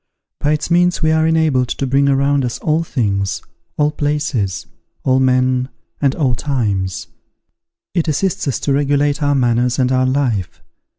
By its means we are enabled to bring around us all things, all places, all men, and all times. It assists us to regulate our manners and our life.